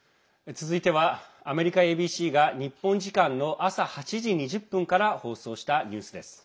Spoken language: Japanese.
続いては、アメリカＡＢＣが日本時間の朝８時２０分から放送したニュースです。